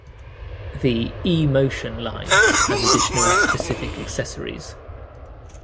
The "e-motion" line has additional specific accessories.